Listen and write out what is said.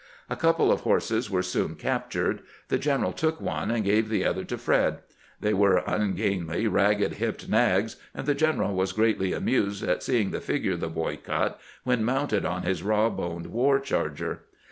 A couple of horses were soon captured. The general took one, and gave the other to Fred. They were ungainly, ragged hipped nags, and the general was greatly amused at seeing the figure the boy cut when mounted on his raw boned war charger.